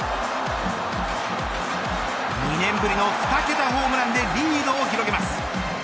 ２年ぶりの２桁ホームランでリードを広げます。